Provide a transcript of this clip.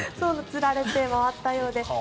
つられて回ったようで。